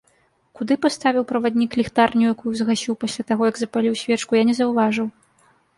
Куды паставіў праваднік ліхтарню, якую згасіў пасля таго, як запаліў свечку, я не заўважыў.